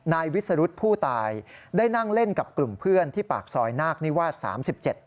นายวิสรุธผู้ตายได้นั่งเล่นกับกลุ่มเพื่อนที่ปากซอยนาคนิวาส๓๗